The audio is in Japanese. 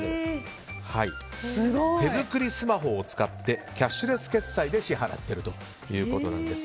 手作りスマホを使ってキャッシュレス決済で支払っているということなんです。